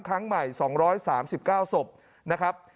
ครั้งใหม่๒๓๙ศพนะครับ